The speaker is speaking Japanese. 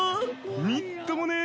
みっともね！